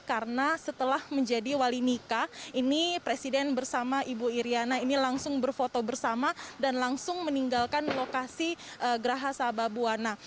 karena setelah menjadi wali nikah ini presiden bersama ibu iryana ini langsung berfoto bersama dan langsung meninggalkan lokasi geraha sababwana